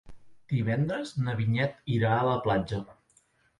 Divendres na Vinyet irà a la platja.